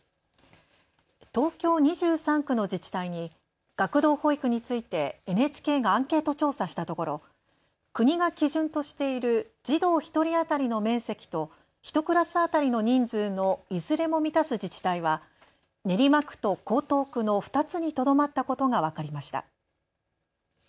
東京２３区の自治体に学童保育についてＮＨＫがアンケート調査したところ、国が基準としている児童１人当たりの面積と１クラス当たりの人数のいずれも満たす自治体は練馬区と江東区の２つにとどまったことが分かりました。